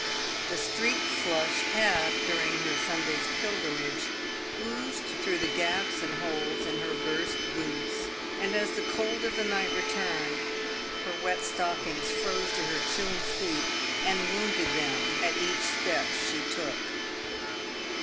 The street slush had, during her Sun day's pilgrimage, oozed through the gaps and holes in her burst boots, and as the cold of the night returned, her wet stockings froze to her chilled feet and wounded them at each step she took.